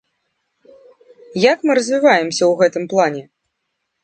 Як мы развіваемся ў гэтым плане?